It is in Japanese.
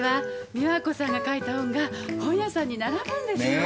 美和子さんが書いた本が本屋さんに並ぶんですよ。ね？